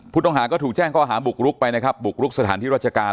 ผู้ต้องหาก็ถูกแจ้งข้อหาบุกรุกไปนะครับบุกรุกสถานที่ราชการ